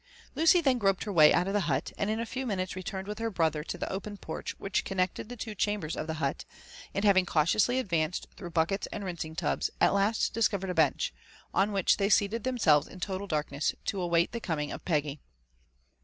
Lucy then groped her way out of the hut, and in a few minutes re* turned with her brother to the open porch which connected the two chambers of the hut, and haying cautiously advanced through buckets and rinsing tubs, at last discovered a bench, on which they seated themselves in total darkness to await the coming of Peggy.